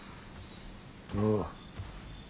ああ。